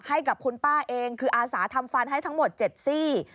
ให้กับคุณป้าเองคืออาสาทำฟันให้ทั้งหมด๗ซี่